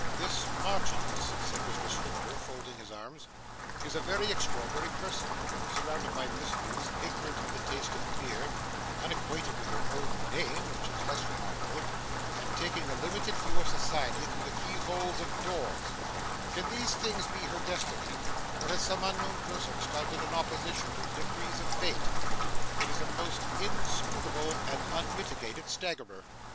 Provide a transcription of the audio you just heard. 'This Marchioness,' said Mr Swiveller, folding his arms, 'is a very extraordinary person surrounded by mysteries, ignorant of the taste of beer, unacquainted with her own name (which is less remarkable), and taking a limited view of society through the keyholes of doors can these things be her destiny, or has some unknown person started an opposition to the decrees of fate? It is a most inscrutable and unmitigated staggerer!